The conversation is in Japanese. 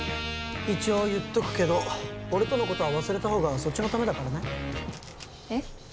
一応言っとくけど俺とのことは忘れた方がそっちのためだからねえっ？